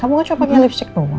aku gak coba pakai lipstick doang